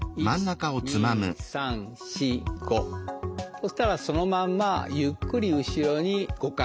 そうしたらそのまんまゆっくり後ろに５回。